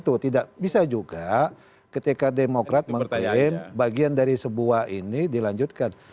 tidak bisa juga ketika demokrat mengklaim bagian dari sebuah ini dilanjutkan